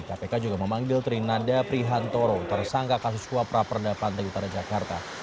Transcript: kpk juga memanggil trinanda prihantoro tersangka kasus suap praperda pantai utara jakarta